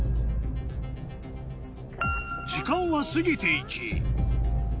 時間は過ぎていき